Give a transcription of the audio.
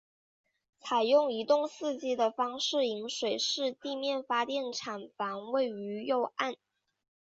采用一洞四机的方式引水式地面发电厂房位于右岸。